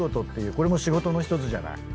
これも仕事の１つじゃない。